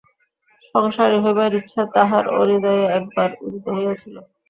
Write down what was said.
সংসারী হইবার ইচ্ছা তাঁহারও হৃদয়ে একবার উদিত হইয়াছিল।